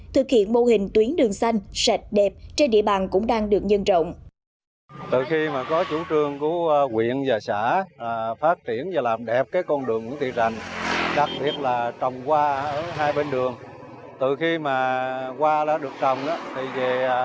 thực hiện mô hình tuyến đường xanh sạch đẹp trên địa bàn cũng đang được nhân rộng